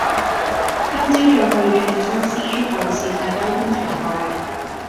今朝再去鑽石山 C 出口視察交通情況